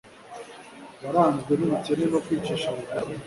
waranzwe n'ubukene no kwicisha bugufi